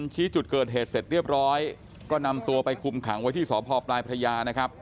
ชี้จุดเกิดเหตุเสร็จเรียบร้อยก็นำตัวไปคุมขังไว้ที่สพปลายพระยานะครับ